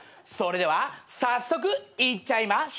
それでは早速いっちゃいま。